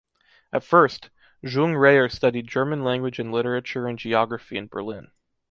At first, Junge-Reyer studied German language and literature and geography in Berlin.